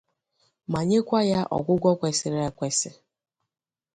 ma nyekwa ya ọgwụgwọ kwesiri ekwesi.